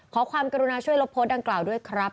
ขอความกรุณาช่วยลบโพสต์ดังกล่าวด้วยครับ